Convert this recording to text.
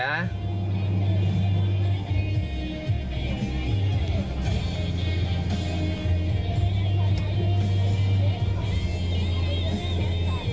จริง